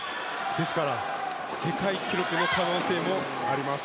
ですから世界記録の可能性もあります。